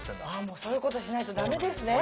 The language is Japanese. もうそういうことしないとダメですね。